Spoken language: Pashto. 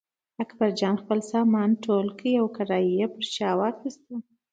اکبرجان خپل سامان ټول کړ او کړایی یې پر شا واخیست.